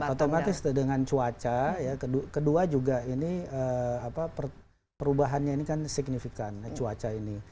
otomatis dengan cuaca ya kedua juga ini perubahannya ini kan signifikan cuaca ini